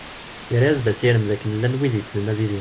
Yerra-as-d asirem d akken llan wid yessnen ad idiren.